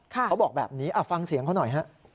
เขาบอกแบบนี้ฟังเสียงเขาหน่อยฮะ